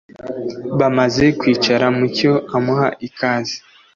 bamaze kwicara mucyo amuha ikaze